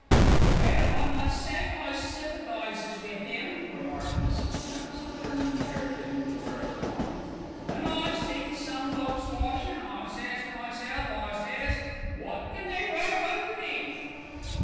"Well, I must say I sympathises with 'im," remarked Mrs. Grimps, returning the hair pin to where it belonged. "When I sees some folks' washing, I says to myself, I says, 'Wot can they wear underneath?'"